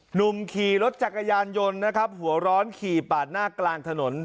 หนุ่มขี่รถจักรยานยนต์นะครับหัวร้อนขี่ปาดหน้ากลางถนน